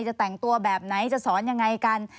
จะแต่งตัวแบบไหนจะสอนยังไงกัน